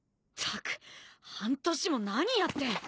ったく半年も何やって。